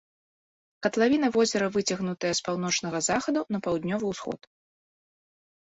Катлавіна возера выцягнутая з паўночнага захаду на паўднёвы ўсход.